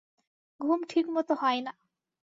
ঘুম ঠিকমত হয় না।